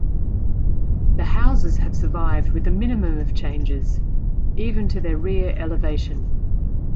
The houses have survived with a minimum of changes, even to their rear elevation.